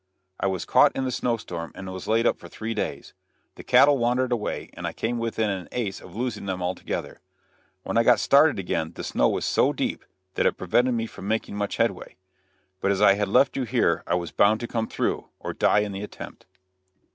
I was caught in the snow storm, and was laid up for three days. The cattle wandered away, and I came within an ace of losing them altogether. When I got started again the snow was so deep that it prevented me from making much headway. But as I had left you here I was bound to come through, or die in the attempt."